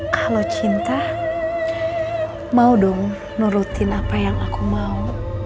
kalau cinta mau dong nurutin apa yang aku mau